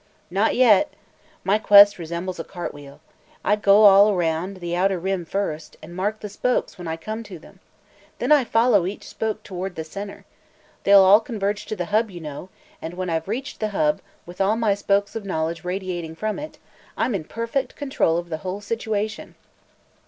"Not yet. My quest resembles a cart wheel. I go all around the outer rim first, and mark the spokes when I come to them. Then I follow each spoke toward the center. They'll all converge to the hub, you know, and when I've reached the hub, with all my spokes of knowledge radiating from it, I'm in perfect control of the whole situation."